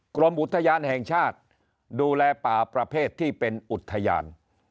กรมอุทยานแห่งชาติดูแลป่าประเภทที่เป็นอุทยาน